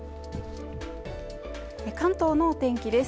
関東の天気です